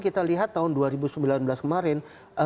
kita lihat tahun dua ribu sembilan belas kemarin